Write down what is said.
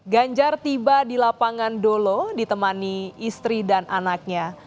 ganjar tiba di lapangan dolo ditemani istri dan anaknya